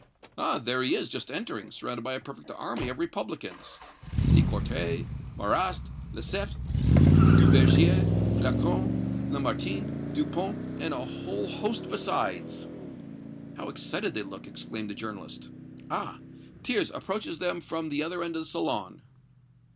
Ah! there he is, just entering, surrounded by a perfect army of Republicans De Courtais, Marrast, Lesseps, Duvergier, Flocon, Lamartine, Dupont and a whole host besides." "How excited they look!" exclaimed the journalist. "Ah! Thiers approaches them from the other end of the salon!"